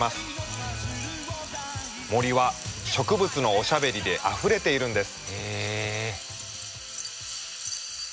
森は植物のおしゃべりであふれているんです。